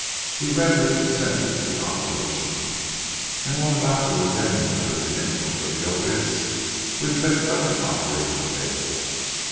He readily consented to the operation, and while the doctor was getting him under the influence of opiates we fixed up an operating table.